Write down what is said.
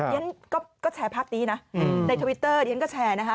ฉันก็แชร์ภาพนี้นะในทวิตเตอร์ที่ฉันก็แชร์นะคะ